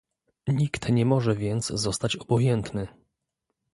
Nikt nie może więc pozostać obojętny